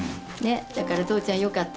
だから父ちゃんよかった。